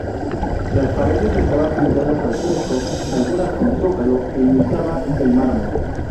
Las paredes estaban pintadas al fresco, algunas con zócalo que imitaba el mármol.